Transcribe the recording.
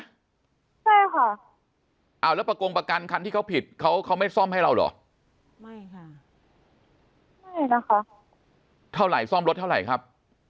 ใช่ค่ะเอาแล้วประกงประกันคันที่เขาผิดเขาเขาไม่ซ่อมให้เราเหรอไม่ค่ะไม่นะคะเท่าไหร่ซ่อมรถเท่าไหร่ครับ